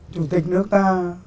chủ tịch nước ta